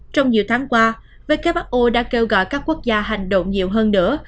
trong nhiều tháng qua who đã kêu gọi các quốc gia hành động nhiều hơn nữa